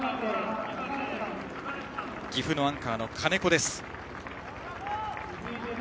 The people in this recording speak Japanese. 岐阜のアンカーの金子です。